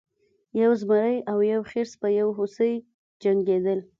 یو زمری او یو خرس په یو هوسۍ جنګیدل.